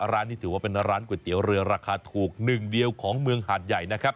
ร้านนี้ถือว่าเป็นร้านก๋วยเตี๋ยวเรือราคาถูกหนึ่งเดียวของเมืองหาดใหญ่นะครับ